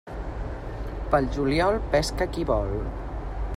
Pel juliol pesca qui vol.